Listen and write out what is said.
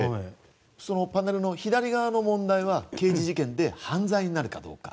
パネルの左側の問題は刑事事件で犯罪になるかどうか。